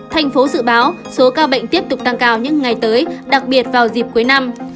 thành phố dự báo số ca bệnh tiếp tục tăng cao những ngày tới đặc biệt vào dịp cuối năm